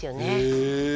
へえ。